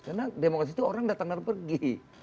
karena demokrasi itu orang datang dan pergi